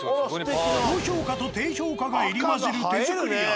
高評価と低評価が入り混じる手作り宿。